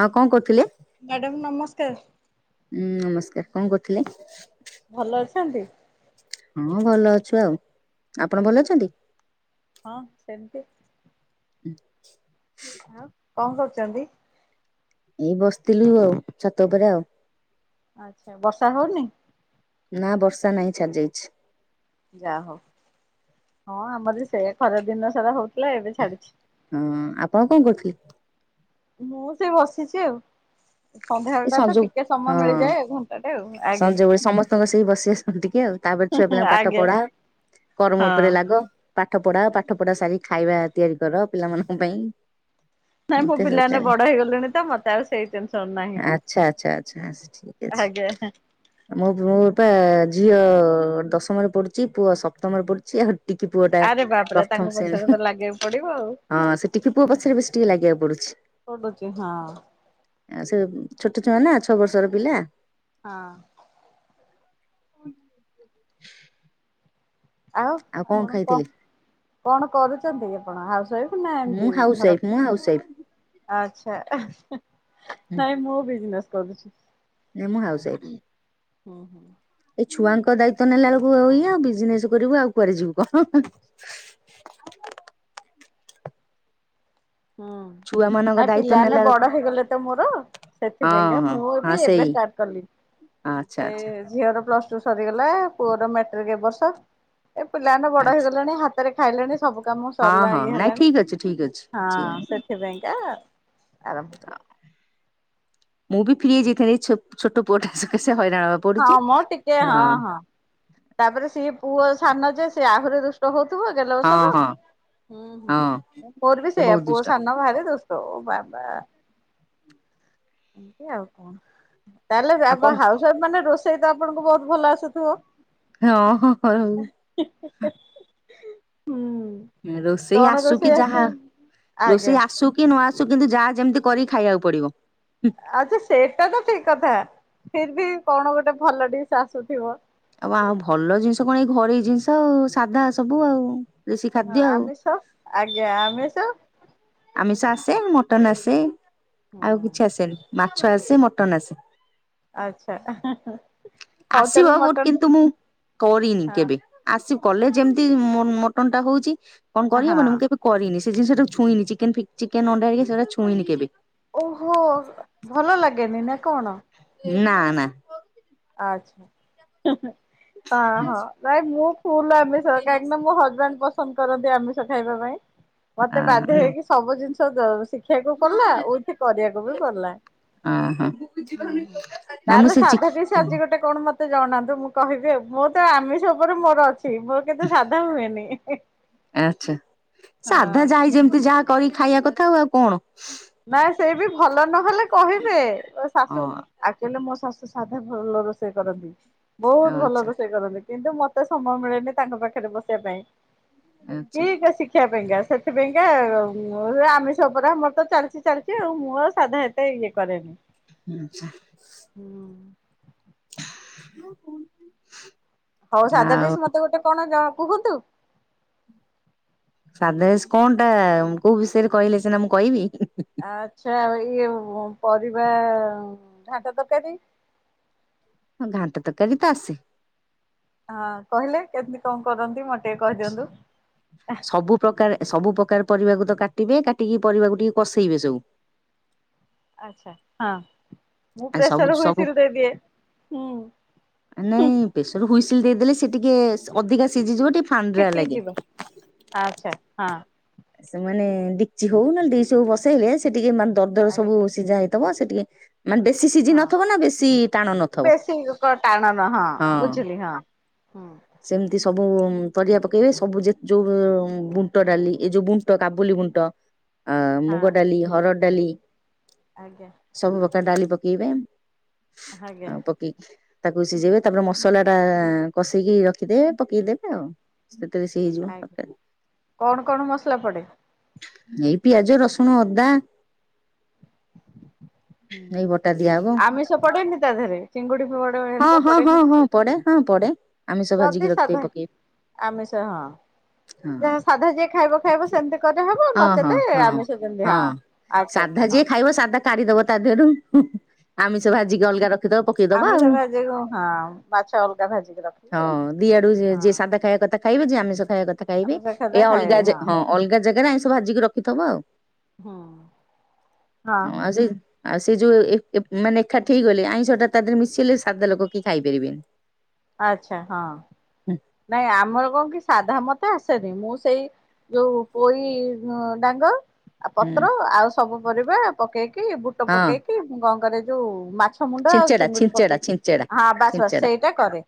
ହଁ କଣ କରୁଥିଲେ? ମ୍ୟାଡ଼ାମ୍ ନମସ୍କାର। ହୁଁ ନମସ୍କାର। କଣ କରୁଥିଲେ? ଭଲ ଅଛନ୍ତି? ହଁ ଭଲ ଅଛୁ ଆଉ। ଆପଣ ଭଲ ଅଛନ୍ତି? ହଁ ସେମିତି। ହୁଁ। ଆଉ କଣ କରୁଛନ୍ତି? ଏଇ ବସିଥିଲୁ ଆଉ, ଛାତ ଉପରେ ଆଉ। ଆଚ୍ଛା ବର୍ଷା ହଉନି? ନା ବର୍ଷା ନାହିଁ ଛାଡି ଯାଇଛି। ଯା ହଉ, ହଁ ଆମର ସେଇଆ ଖରା ଦିନ ସାରା ହଉଥିଲା ଏବେ ଛାଡିଛି। ହଁ, ଆପଣ କଣ କହୁଥିଲେ? ମୁଁ ସେଇ ବସିଚି ଆଉ। ସନ୍ଧ୍ୟାବେଳ ଏ ଟା ତ ଟିକେ ସମୟ ସଞଉହଁ ମିଳିଯାଏ ଘଣ୍ଟାଟେ ଆଉ। ଆଜ୍ଞା ସଞ୍ଜ ବେଳ ସମସ୍ତଙ୍କ ସେଇ ବସି ଆସନ୍ତି ଟିକେ ଆଉ ତାପରେ ହୁଁ ଛୁଆ ହୁଁ ପିଲାଙ୍କୁ ପାଠ ଆଜ୍ଞା ପଢାଅ, କର୍ମ ହଁ। ଉପରେ ଲାଗ। ପାଠ ପଢାଅ ପାଠ ପଢା ସାରି ଖାଇବା ତିଆରି କର ପିଲାମାନଙ୍କ ପାଇଁ। ନାଇଁ ମୋ ଏମିତି ସବୁ ପିଲାମାନେ ଚାଲେ। ବଡ ହେଇଗଲେଣି ତ ମତେ ଆଉ ସେଇ ଟେନସନ ନାହିଁ। ଆଚ୍ଛା ଆଚ୍ଛା ଆଚ୍ଛା ଆ ସେ ଠିକ ଆଜ୍ଞା ଅଛି। ମୋ ପୁଅ ପା ଝିଅ ଦଶମରେ ପଢୁଛି, ପୁଅ ସପ୍ତମରେ ପଢୁଛି। ଆଉ ଟିକି ପୁଅ ଟା ପ୍ରଥମ ଶ୍ରେଣୀ ଯିବ ଆଉ ହଁ, ସେ ଟିକି ପୁଅ ପଛରେ ବେଶୀ ଟିକେ ଲାଗିବାକୁ ପଡୁଚି। ପଢ଼ୁଚି, ହଁ। ଛୋଟ ଛୁଆ ନା ଛଅ ବର୍ଷର ପିଲା। ହଁ। ଆଉ ଆଉ କଣ କହ, କଣ କରୁଛନ୍ତି ଆପଣ ହାଉସୱାଇଫ୍ ନା ମୁଁ ଏମତି ହାଉସ ମର ୱାଇଫ ମୁଁ ହାଉସ ୱାଇଫ। ଆଛା, ଏ ନାଇଁ ମୁଁ ବିଜନେସ୍ କରୁଛି। ନାଇଁ ମୁଁ ହାଉସୱାଇଫ୍। ହଁ ହଁ। ଏଇ ଛୁଆଙ୍କ ଦାୟିତ୍ବ ନେଲା ବେଳକୁ ଇଏ ଆଉ ବିଜନେସ କରିବୁ ଆଉ କୁଆଡେ ଯିବୁ କହ। ହଁ ଛୁଆ ମାନଙ୍କ ଆଉ ଦାୟିତ୍ୱ ପିଲାମାନେ ନେଲା ବେଳକୁ ବଡ ହେଇଗଲେ ତ ମୋର, ହଁ ସେଥିପାଇଁକା ହଁ ମୁଁ ହଁ ଏବେ ଏବେ ସେଇ ଷ୍ଟାଟ କାଲି ଆଚ୍ଛା ଆଚ୍ଛା। ଝିଅର ପ୍ଲସ ଟୁ ସରିଗଲା, ପୁଅର ମାଟ୍ରିକ ଏ ବର୍ଷ। ଏ ପିଲା ମାନେ ବଡ ଆଚ୍ଛା। ହେଇଗଲେଣି ହା ହାତରେ ଖାଇଲେଣି ସବୁ କାମ ହଁ ସରିଲା ହଁ ଇଏ ନାଇଁ ହେଲାଣି। ଠିକ ଅଛି, ଠିକ ଅଛି। ହଁ ସେଥିପାଇଁକା ଆରମ୍ଭ କଲି ମୁଁ ବି ଫ୍ରୀ ହେଇ ଯାଇଥାନି ଏଇ ଛୋଟ ପୁଅଟା ସକାଶେ ହଇରାଣ ହ ହଁ ମଁ ଟିକେ ହଁ ହଁ, ତାପରେ ସିଏ ପୁଅ ସାନ ଯେ ସିଏ ଆହୁରି ଦୁ ହଉଥିବ ଗେଲ ହଁ ବସର। ହଁ ହଁ ମୋର ବି ସେ ବହୁତ ସେଇଆ ଦୁଷ୍ଟ ପୁଅ ସାନ ଭାରି ଦୁ ଷ୍ଟ ବାବା ଏମତି ଆଉ କଣ। ତାହେଲେ ଆଉ କଣ ହାଉସ ୱାଇଫ ମାନେ ରୋଷେଇ ତ ଆପଣଙ୍କୁ ବହୁତ ଭଲ ଆସୁଥିବ? ହଁ ହଁ ହଁ ଆଉ ହୁଁ। ହୁଁ ରୋଷେଇ କଣ ଆସୁ କି ରୋଷେଇ ଆସେ? ଯାହା, ଆଜ୍ଞା ରୋଷେଇ ଆସୁ କି କି ନ ଆସୁ, କିନ୍ତୁ ଯାହା ଯେମିତି କରିକି ଖାଇବାକୁ ପଡିବ। ଆଚ୍ଛା ସେଏଟା ତ ଠିକ କଥା ଫିର ବି କଣ ଗୋଟେ ଭଲ ଡିସ ଆଶୁ ଥିବ। ଆଉ ଆ ଭଲ ଜିନିଷ କଣ ଏଇ ଘରୋଇ ଜିନିଷ ଆଉ ସାଧା ସବୁ ଆଉ। ଦେଶୀ ଖାଦ୍ୟ ହଁ ଆଉ। ଆମିଷ ଆଜ୍ଞା ଆମିଷ? ଆମିଷ ଆସେ, ମଟନ ଆସେ ହୁଁ ଆଉ କିଛି ଆସେନି। ମାଛ ଆସେ ମଟନ ଆସେ। ଆଛା ଏ ହେଁ ହେଁ। ଆସିବ ବୋଟ, କିନ୍ତୁ ମୁଁ କରିନି କେବେ। ହଁ ଆସିବ କଲେ ଯେମିତି ମ ମଟନ ଟା ହଉଚି କଣ କରିହବନି ହଁ ମୁଁ କେବେ କରିନି। ସେ ଜିନିଷ ଜମା ଛୁଇଁନିି ଚିକେନ ଫିକେ ଚିକେନ୍ ଅଣ୍ଡା ହେରିକା ସେଗୁଡାକ ଛୁଇଁନି କେବେ। ଓହୋ, ଭଲ ଲାଗେନି ନା କଣ? ନା ନା। ଆଛା, ହଁ ହଁ ନାଇଁ ମୁଁ ଫୁଲ ଆମି ଷ କାହିଁକି ନା ମୋ ହଜବାଣ୍ଡ ପସନ୍ଦ କରନ୍ତି ଆମିଷ ଖାଇବା ପାଇଁ, ଅ ମତେ ବାଧ୍ୟ ହେଇକି ସବୁ ଜିନିଷ ଦ ଶିଖିବାକୁ ପଡିଲା ଉଇଥି କରିବାକୁ ବି ପଡିଲା। ହଁ। ହୁଁ ହୁଁ। ନା ମୁଁ ତାଲେ ସେ ସାଧା ଡିସ୍ ଚିକେନ ଆଜି ଗୋଟେ କଣ ମତେ ଜଣାନ୍ତୁ ମୁଁ କହିବି ଆଉ। ମୁଁ ତ ଆମିଷ ଉପରେ ମୋର ଅଛି ମୋର କିନ୍ତୁ ସାଧା ହୁଏନି। ହିଁ। ଏଇ ଯେମିତି ଯା କରିିକ୍ ଖାଇବା କଥା ଆଉ ଆଉ କଣ। ନାଇଁ ସେ ବି ଭଲ ନହେଲେ କହିବେ, ଓ ଶାଶୁ ହଁ ଆକ୍ଚୁଆଲିରେ ମୋ ଶାଶୁ ସାଧା ଭଲ ରୋଷେଇ କରନ୍ତି, ବହୁତ ଭଲ ଆଚ୍ଛା ରୋଷେଇ କରନ୍ତି। କିନ୍ତୁ ମତେ ସମୟ ମିଳେନି ତାଙ୍କ ପାଖରେ ବସିବା ପାଇଁ, ଆଚ୍ଛା ଠିକ ଅ ଶିକ ଦେଖିବା ପାଇଁକା, ସେଥିପାଇଁକା ଆମିଷ ଉପରେ ଆମର ତ ଚାଲ ଚି ଚାଲିଚି ଆଉ, ମୁଁ ଆଉ ସାଧା ଏତେ ଇଏ କରେନି। ଉମ୍ ଛା। ହୁଁ। ହା [inaudible] ହଉ ସାଧା ଡିସ୍ ମତେ ଗୋଟେ କଣ ଜଣ କୁହନ୍ତୁ? ସାଧା ଡିସ୍ କଣ ଟା କୋଉ ବିଷୟରେ କହିଲେ ସିନା ମୁଁ କହିବି। ଆଚ୍ଛା ଇଏ ଉଁ ପରିବା ଘାଣ୍ଟ ତକାରୀ। ହଁ ଘାଣ୍ଟ ତକାରୀ ତ ଆସେ। ହଁ କହିଲେ କେମତି କଁ କରନ୍ତି, ମୋତ ଟିକେ କହିଦିଅନ୍ତୁ ଆହ୍। ପ୍ରକାରେ, ସବୁ ପ୍ରକାରେ ପରିବାକୁ ତ କାଟିବେ, କାଟିକି ପରିବାକୁ ଟିକେ କସେଇବେ ସବୁ। ଆଛା ହଁ। ମୁଁ ଆ ସବୁ ପ୍ରେସର ସବୁ ହୁଇସିଲ୍ ଦେଇଦିଏ, ହୁଁ ନାଇଁ ହୁଁଃ। ପ୍ରେସର ହୁଇସିଲ ଦେଇଦେଲେ ସେ ଟିକେ ସ୍ ଅଧିକା ସିଝିଯିବ ଟିକେ। ଫାଣ୍ଡ୍ରା ଫିଟି ଲାଗେ ଯିବ ଆଛା ହଁ। ସେ ମାନେ ଡେକ୍ଚି ହଉ ନ ହେଲେ ଡିସ୍ ହଉ ବସେଇଲେ ସେ ଟିକେ ମାନେ ଦରଦର ଆଜ୍ଞା ସବୁ। ସିଝା ହେଇଥବ ସେ ଟିକେ। ମାନେ ବେଶୀ ସିଝି ହଁ ନଥବ ନା ବେଶୀ ଟାଣ ନଥବ ବେଶୀ ଟାଣ ନୁହଁ ହଁ। ବୁଝିଲି ହଁ ହୁଁ। ସେମିତି ସବୁ ଉଁ ପରିବା ପକେଇବେ ସବୁ ଯେ ଯୋଉ ଉଁ ବୁଣ୍ଟ ଡାଲି। ଏଇ ଯୋଉ ବୁଣ୍ଟ, କାବୁଲି ବୁଣ୍ଟ, ଅ ହଁ ମୁଗ ଡାଲି, ହରଡ଼ ଡାଲି। ଆଜ୍ଞା। ସବୁ ପ୍ରକାର ଡାଲି ପକେଇବେ। ହାଗ୍ୟା। କି ତାକୁ ସିଝେଇବେ ତାପରେ ମସଲା ଟା କଷିକି ରଖିଦେବେ ପକେଇ ଦେବେ ଆଉ। ସେଥେରେ ସେ ହେଇଯିବ ଆଜ୍ଞା ତକାରି। କଣ କଣ ମସଲା ପଡେ। ଏଇ ପିଆଜ ରସୁଣ ଅଦା। ଏଇ ବଟା ଦିଆ ହବ। ଛ ପଡେନି ତା ଦେହରେ ଚିଙ୍ଗୁଡି ଫି ଙ୍ଗୁଡି ହଁ ଘରିକା ହଁ ପଡେନି ହଁ ହଁ କିଛି। ପଡେ ହଁ ପଡେ ଆମିଷ ଭାଜିକି ଯଦି ରଖିଥିବେ ସାଧା ପକେଇବେ ଆମିଷ ହଁ। ଯେ ହଁ ସାଧା ଯିଏ ଖାଇବ ଖାଇବ ସେମିତି କରାହବ ହଁ ହଁ ନଚେତ ହଁ। ଆମିଷ ଯେମିତି ହଁ ହାଁ। ସାଧା ଯିଏ ଖାଇବ ସାଧା କାଢିଦେବ ତା ଦେହରୁ, ହୁଁ ହୁଁ। ଆମିଷ ହଁ। ଭାଜିକି ଅଲଗା ରଖିଦବ ପକେଇଦବ ଆମିଷ ଆଉ। ଭାଜିକୁ ହଁ ମାଛ ଅଲଗା ଭାଜିକି ରଖିବେ ହଁ ଦିଆଡୁ ଯେ ହଁ। ଯିଏ ସାଧା ଖାଇବା କଥା ଖାଇବେ, ଯିଏ ଆମିଷ ଖାଇବା କଥା ଖାଇବେ, ଆମିଷ ଖାଦ୍ୟ ଏଇଆ ଅଲଗା ଖାଇବେ ଯେ ହଁ। ଅଲଗା ଜାଗାରେ ଆଇଁସ ଭାଜିକି ରଖିଥବ ଆଉ ହଁ। ହଁ ଅ ହଁ ଆଁ ସେ ଆଉ ସେ ଯୋଉ ଏ ଏମାନେ ଏକାଠି ହେଇଗଲେ, ଆଇଁଷ ଟା ତା ଦେହରେ ମିଶିିଲେ ସାଧା ଲୋକ କେହି ଖାଇ ପାରିବେନି। ଆଛା ହଁ। ହୁଁ ନାଇଁ ଆମର କଁ କି ସାଧା ମତେ ଆସେନି ମୁଁ ସେଇ। ଯୋଉ ପୋଇ ଅଁ ଡାଙ୍ଗ। ଆଉ ହୁଁ ପତ୍ର ଆଉ ସବୁ ପରିବା ପକେଇକି, ବୁଟ ହଁ ପକେଇକି, ମୁଁ କଁ କରେ ଯୋଉ ମାଛ। ମାଛ ମୁଣ୍ଡ ଆଉ ଛିଞ୍ଚେଡା ଚିଙ୍ଗୁଡି ଛିଞ୍ଚେଡା ପକେଇ ଛିଞ୍ଚେଡା ହଁ ବାସ୍ ବାସ୍ ଛିଞ୍ଚେଡା ସେଇଟା କରେ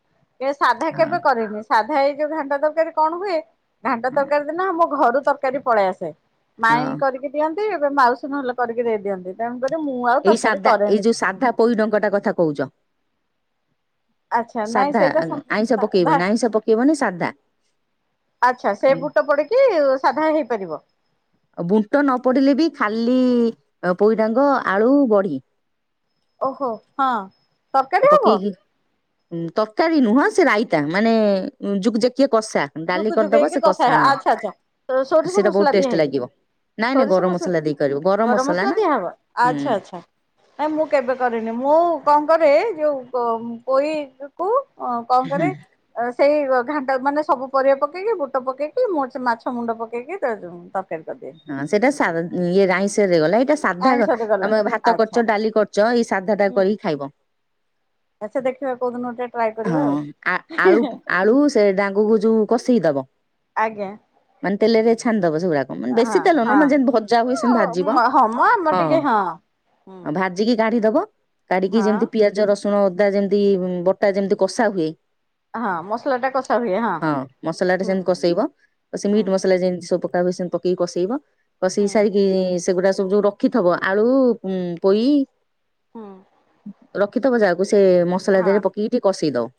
ଏ ସାଧା ହଁ କେବେ କରିନି। ସାଧା ଏଇ ଯୋଉ ଘାଣ୍ଟ ତରକାରୀ କଣ ହୁଏ ଘାଣ୍ଟ ହଁ ତରକାରୀ ଦିନ ଆମ ଘରୁ ତରକାରୀ ପଳେଇ ଆସେ। ହଁ ମାଇଁ କରିକି ଦିଅନ୍ତି ଏବେ ମାଉସୀ ଭଲ କରିକି ଦେଇଦିଅନ୍ତି ତେଣୁକରି ମୁଁ ଆଉ ତରକାରୀ କରେନି। ପୋଇ ଡଙ୍କାଟା କଥା କହୁଛ। ଆଚ୍ଛା ନାଇଁ ସାଧା ସେଇଟା ସା ଆଇଁଷ ସାଧା ପକେଇବନି ଆଇଁଷ ପକେଇବନି ସାଧା। ଆଚ୍ଛା ସେ ଆଉ ବୁଟ ପଡିକି ସାଧା ହେଇପାରିବ। ଆ ବୁଟ ନ ପଡିଲେ ବି ଖାଲି ପୋଇଡାଙ୍ଗ ଆଳୁ ବଢି। ଓହୋ ହଁ। ତରକାରୀ ଆଉ ହବ ପକେଇକି ଉଁ ତରକାରୀ ନୁହଁ ସେ ରାଇତା ମାନେ ଯୁକୁ ଜାକିଆ କଷା। ଡାଲି ଜୁକୁ ଜୁକୁ କରିଦବ ହେଇକି ସେ କସା କଷା ଆଚ୍ଛା ଆଚ୍ଛା ଏ ହଁ ସୋରିଷ ସେଇଟା ବହୁତ ମସଲା ଦିଆ ଟେଷ୍ଟ ହେଇକି। ଲାଗିବ। ନାଇଁ ନାଇଁ ସୋରିଷ ଗରମ ମସଲା ଦେଇ କରିବ ଗରମ ମସଲା ନା ଦିଆ ହବ ହୁଁ ଆଚ୍ଛା ଆଚ୍ଛା। ନାଇଁ ମୁଁ କେବେ କରିନି ମୁଁ କଣ କରେ ଯୋଉ ପ ପୋଇ ଯୋ କୁ ଅଁ କଁ ହୁଁ। କରେ ସେଇ ଘାଣ୍ଟ ମାନେ ସବୁ ପରିବା ପକେଇକି ବୁଟ ପକେଇକି ମୋର ସେ ମାଛ ମୁଣ୍ଡ ପକେଇକି ତେ ତରକାରୀ କରିଦିଏ। ହଁ ସେଇଟା ସା ଇଏ ରାଇଶରେ ଗଲା ଏଇଟା ସାଧା ଆଇଁଷରେ ଗଲା ତମେ ଭାତ ଆଚ୍ଛା କରିଚ ଡାଲି କରିଚ ଏଇ ସାଧା ଟା ହୁଁ। କରିକି ଖାଇବ। ଆଚ୍ଛା ଦେଖିବା କୋଉଦିନ ଟେ ହଁ ଆ ଆଳୁ ଆଳୁ ସେ ଡାଙ୍ଗକୁ ଯୋଉ କଷି ଦବ। ଆଜ୍ଞା। ମାନେ ତେଲରେ ଛାଣିଦେବ ସେଉରାକ। ମାନେ ହଁ ବେଶୀ ତେଲ ନୁହଁ ମାନେ ଯେମିତି ଭଜା ହୁଏ ସେମତି ହଁ। ଭାଜିବ ହଁ ମ ଆମର ହଁ ଟିକେ ହୁଁ ଆଉ ଭା ଜିକି କାଢିଦବ କାଢିକି ହଁ। ଯେମିତି ପିଆଜ ରସୁଣ ଅଦା ଯେମିତି ବଟା ଯେମିତି କଷା ହୁଏ। ହଁ ମସଲା ଟା କ ହଁ ମସଲା ଟା ସେମତି କଷେଇବ ସେ ହୁଁ ମିଟ୍ ମସଲା ଯେମିତି ସବୁ ପକା ହୁଏ ସେମତି ପ କି କଷେଇବ କଷେଇ ହୁଁ ସାରିକି ସେଗୁଡା ସବୁ ଯୋଉ ରଖିଥବ ଆଳୁ ପୋଇ ହଁ। ରଖିଥିବ ଯାହାକୁ ସେ ମସଲା ଦେହରେ ପକେଇକି ଟିକେ କଷେଇଦବ।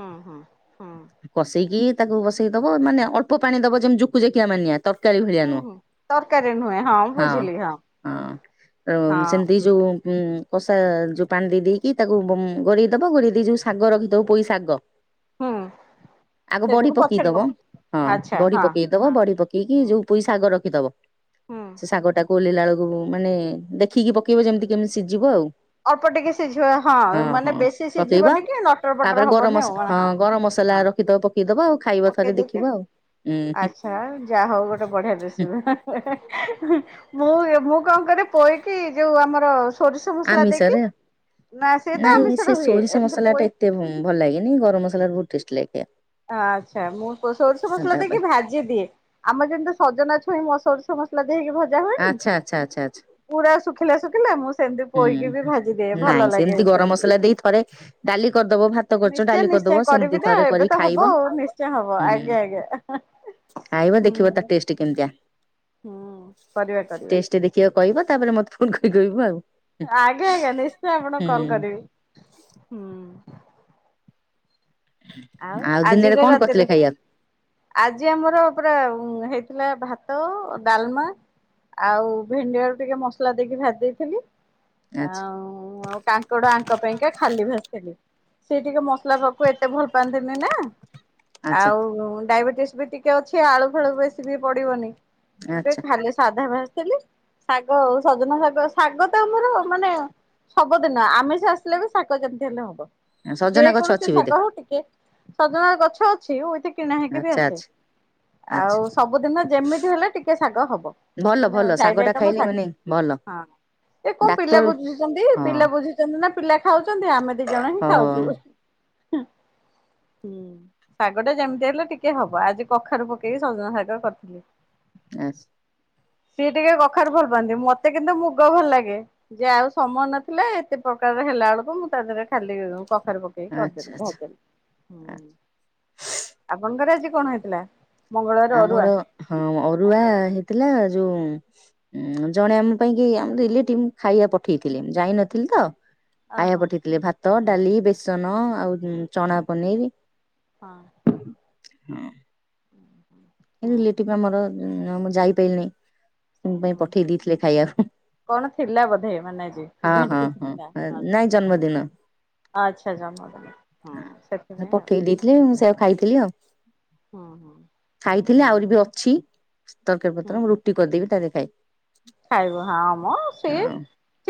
ହଁ ହଁ ହଁ। କସେଇକି ତାକୁ ବସେଇ ଦବ ମାନେ ଅଳ୍ପ ପାଣି ଦବ ଯେମି ଜୁକୁ ଜାକିଆ ମାନିଆ। ତରକାରୀ ଭଳିଆ ହୁଁ ନୁହ ହୁଁ ତରକାରୀ ନୁହେଁ ହଁ ବୁଝିଲି ହଁ ଅ ହଁ ସେମିତି ଯୋଉ ଉଁ କଷା ଯୋଉ ପାଣି ଦେଇ ଦେଇକି ତାକୁ ବମ ଘୋଡେଇ ଦବା ଘୋଡେଇ ଦେଇ ଯୋଉ ଶାଗ ରଖିଦବୁ ପୋଇ ଶାଗ। ହୁଁ। ଆଗ ବଢି ସେଇଟାକୁ ପଛରେ ପକେଇଦବ। ପକ ହଁ ଆଚ୍ଛା ବଡି ହଁ ପକେଇ ଦବ ହଁ ବଡି ପକେଇକି ହୁଁ ଯୋଉ ପୋଇ ଶାଗ ରଖିଦବ ହୁଁ ସେ ଶାଗ ଟା ଓଲେଲା ଆଳୁକୁ ମାନେ ଦେଖିକି ପକେଇବ ଯେମିତି କେମିତି ସିଜିବ ଆଉ। ଅଳ୍ପ ଟିକେ ସିଝିବ ହଁ ମାନେ ହଁ। ବେଶୀ ପକେଇବା ସିଝିବନି କି ନ ତାପରେ ଗରମ ମସ ହଁ ଗରମ ମସଲା ରଖିଥବ ପକେଇଦବା ଆଉ ଖାଇବା ପକେଇ ଥରେ ଦେଇକି ଦେଖିବା ଆଉ ହୁଁ ହୁଁ। ଆଚ୍ଛା ଯାହା ହଉ ଗୋଟେ ବଢିଆ ରେସିପ। [unintelligible] ମୁଁ ମୁଁ କଣ କରେ ପୋଇକି ଯୋଉ ଆମର ଶ ସୋରିଷ ମସଲା ଦେଇକି ଆମିଷରେ ନା ସିଏ ତ ନାଇଁ ସେ ଆମିଷରେ ହୁଏ। ସୋରିଷ ଏମିତି ମସଲା ଟା ପୋଇ- ଏତେ ଭ ଭଲ ଲାଗେନି ଗରମ ମସଲାରେ ବହୁତ ଟେଷ୍ଟି ଲାଗେ। ଆଚ୍ଛା ମୁଁ ସୋରିଷ ମସଲା ସାଧା ଦେଇକି ଉପରେ ଭା ଯିଏ ଦିଏ ଆମେ ଯେମିତି ସଜନା ଛୁଇଁ ମ ସୋରିଷ ମସଲା ଦେଇକି ଭଜା ହୁଏନି। ଆଚ୍ଛା ଆଚ୍ଛା ଆଚ୍ଛା ଆଚ୍ଛା ପୁରା ଶୁଖିଲା ଶୁଖିଲା ମୁଁ ସେମିତି ପୋଇକି ବି ହୁଁ ଭାଜିଦିଏ ଭଲ ନାଇଁ ଲାଗେ ସେମିତି ଗରମ ମସଲା ଦେଇ ଥରେ ଡାଲି କରିଦବ ଭା ତ କରିଛ ନିଶ୍ଚୟ ଡାଲି ନିଶ୍ଚୟ କରିଦବ କରିବି ସେମିତି ନା ଥରେ ଏବେ କରି ତ ହବ ଖାଇବ ଆଉ ନିଶ୍ଚୟ ହବ ହୁଁ। ଆଜ୍ଞା ଆଜ୍ଞା ଖାଇବ ଦେଖିବ ତା ହୁଁ। ଟେଷ୍ଟ କେମିତିଆ। ହୁଁ କରିବା କରିବା। କିଏ କହିବ ତାପରେ ମୋତେ ଫୋନ କରି କହିବୁ ଆଉ। ଆଜ୍ଞା ଆଜ୍ଞା ନିଶ୍ଚୟ ଆପଣଙ୍କୁ କଲ ହୁଁ। କରିବି ହୁଁ। ଆଉ ଦିନରେ ଆଜିର କଣ ରାତିରେ କରିଥିଲେ ଖାଇବା ଆଜି ଆମର ପୁରା ହେଇଥିଲା ଭାତ ଡାଲମା ଆଉ ଭେଣ୍ଡିଆଳୁ ଟିକେ ମସଲା ଦେଇକି ଭାଜି ଦେଇଥିଲି ଆଚ୍ଛା ଆଉ ମୁଁ ଆଉ କାଙ୍କଡ ଆଙ୍କ ପାଇଁକା ଖାଲି ଭାସିଥିଲି ସେ ଟିକେ ମସଲା ପାଖକୁ ଏତେ ଭଲ କୁହନ୍ତି ନା ଆଚ୍ଛା ଆଉ ଡାଇବେଟିସ୍ ବି ଟିକ ଟିକେ ଅଛି ଆଳୁ ଫାଳୁ ବେଶୀ ବି ପଡିବନି ଆଚ୍ଛା ଖାଲି ସାଧା ଭାସିଥିଲି ଶାଗ ଆଉ ସଜନା ଶାଗ ଶାଗ ତ ଆମର ମାନେ ସବୁଦିନ ଆମେ ସେ ଆସିଲେ ବି ଶାଗ କେମିତି ହେଲେ ହବ ଯେ ସଜନା ଗଛ ଅଛି କୌଣସି ବୋଧେ ଶାଗ ହଉ ଟିକେ ସଜନାର ଗଛ ଅଛି ଉ ଏତେ କିଣା ହେଇକି ବି ଆଚ୍ଛା ଆସେ ଆଚ୍ଛା ଆଚ୍ଛା ଆଉ ସବୁଦିନ ଯେମିତି ହେଲେ ଟିକେ ଶାଗ ହବ ଭଲ ମାନେ ଭଲ ଶାଗ ସାଇଡ ଟା [unintelligible] ଟ ଖାଇଲେ ଶ ମାନେ ଭଲ ହଁ ଏ କଣ ପିଲା ଡାକ୍ତର ବୁଝୁଛନ୍ତି ହଁ ପିଲା ବୁଝୁଛନ୍ତି ନା ପିଲା ଖାଉଛନ୍ତି ଆମେ ଦି ଜଣ ହିଁ ହଁ ଖାଉଛୁ ହୁଁ ଶାଗ ଟା ଯେମିତି ହେଲେ ଟିକେ ହବ ଆଜି କଖାରୁ ପକେଇକି ସଜନା ଶାଗ କରିଥିଲି ଆ ସିଏ ଟିକେ କଖାରେ ଭଲ ପାଆନ୍ତି ମତେ କିନ୍ତୁ ମୁଗ ଭଲ ଲାଗେ ଯେ ଆଉ ସମୟ ନଥିଲା ଏତେ ପ୍ରକାରର ହେଲା ବେଳକୁ ମୁଁ ତା ଦେହରେ ଖାଲି ଉ କଖାରୁ ପକେ ସେଇ କରିଦେଲି ଆଚ୍ଛା ଭଦଲି ହୁ ଆପଣଙ୍କର ଆଜି କଣ ହେଇଥିଲା? ମଙ୍ଗଳବାର ଅରୁଆ? ଆମର ହଁ ଅରୁଆ ଆଜ୍ଞା। ହେଇଥିଲା ଯୋଉ ଉୁଁ ଜଣେ ଆମ ପାଇଁ କି ଆମ ରିଲେଟିଭ ଖାଇବା ପଠେଇଥିଲେ ଯାଇନଥିଲି ତ ଖାଇବା ଓହୋ ପଠେଇଥିଲେ ଭାତ ଡାଲି ବେସନ ଆଉ ଚଣା ପନିର ହଁ ହଁ [inaudible] ଏ ରିଲେଟିଭ ଆମର ମୁଁ ଯାଇପାରି ନାହିଁ ସେ ପାଇଁ ହୁଁ। ପଠେଇ ଦେଇଥିଲେ ଖାଇବାକୁ ହୁ କଣ ଥିଲା ବୋଧେ ମାନେ ଆଜି ଇଭେଣ୍ଟ ହଁ କିଛି ହଁ ଥିଲା ହଁ ନାଇଁ ଜନ୍ମଦିନ ଆଚ୍ଛା ଜ ମଦ ହ ସେଥି ପଠେଇ ଦେଇଥିଲେ ମୁଁ ସେଆ ଖାଇଥିଲି ଆଉ ହୁଁ ହୁଁ ଖାଇଥିଲି ଆହୁରି ବି ହୁଁ ଅଛି ତରକାରୀ ପତ୍ର ମୁଁ ରୁଟି କରିଦେବି ତା ଦେ ଖଏ ଖାଇବୁ ହଁମ ସେ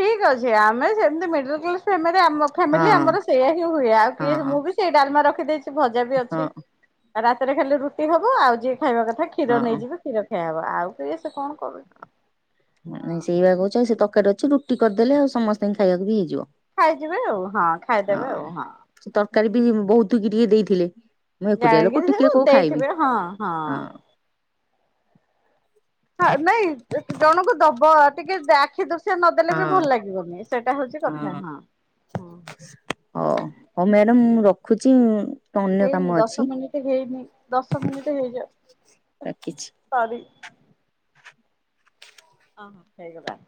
ଠିକ ଅଛି ଆମେ ସେମିତି ମିଡିଲି କ୍ଲାସ୍ ଫେମ୍ ର ଆମ ଫ୍ୟାମିଲି ଆମର ସେଇଆ ହିଁ ହୁଏ ଆଉ କିଏ ମୁଁ ହଁ ବି ସେଇ ଡାଲମା ରଖିଦେଇଛି ଭଜା ବି ଅଛି ହଁ ଆଉ ରାତିରେ ଖାଇଲେ ରୁଟି ହବ ଆଉ ଯିଏ ଖାଇବା କଥା ହଁ କ୍ଷୀର ହଁ। ନେଇଯିବେ କ୍ଷୀର ଖାଇଆ ହବ ଆଉ କି ସେ କଣ କରୁଚି ନାଇଁ ସେଇ କହୁଛି ଆଉ ସେ ତରକାରୀ ଅଛି ରୁଟି କରିଦେଲେ ଆଉ ସମସ୍ତଙ୍କୁ ଖାଇବାକୁ ବି ହେଇଯିବ ଖାଇଯିବେ ଆଉ ହଁ ଖାଇଦେବେ ଆଉ ହଁ ସେ ତରକାରୀ ବି ବହୁତ କି ଟିକେ ଦେଇଥିଲେ ମୁଁ ଏକୁଟିଆ ଲୋକ ଜାଣିକି ସେ ଟିକେ କୋଉ ଖାଇବି ଦେଇଥିବେ ହଁ ହଁ ହ ନାଇଁ ଜ - ଜଣଙ୍କୁ ଦବ ଟିକେ ଆଖି ଦ ସେ ନଦେଲେ ବି ଭଲ ହଁ। ଲାଗିବନି ସେଇଟା ହଉଛି କଥା ହଁ ହଉ ହଁଁ ହଉ ମ୍ୟାଡାମ ମୁଁ ରଖୁଛି ଉ ହେଇନି ଦଶ ମିନିଟ ହେଇନି ଦଶ ମିନିଟ ହେଇଯା ରଖିଛି। ସରି ହଁ ହ ସେଇଗବା